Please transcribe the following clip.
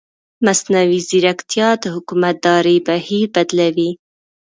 مصنوعي ځیرکتیا د حکومتدارۍ بهیر بدلوي.